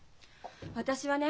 私はね